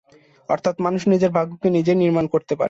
অর্থাৎ মানুষ নিজের ভাগ্যকে নিজেই নির্মাণ করতে পারে।